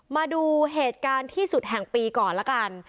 มาดูเหตุการณ์ที่สุดแห่งปีก่อนละกัน